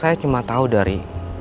saya cuma tau dari